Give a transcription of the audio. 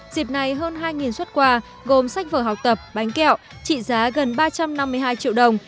dịp này hơn hai xuất quà gồm sách vở học tập bánh kẹo trị giá gần ba trăm năm mươi hai triệu đồng